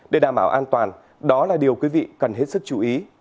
để đảm bảo an toàn đó là điều quý vị cần hết sức chú ý